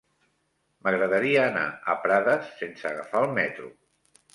M'agradaria anar a Prades sense agafar el metro.